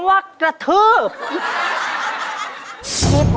เยี่ยม